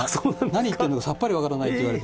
何言ってるのかさっぱりわからないって言われて。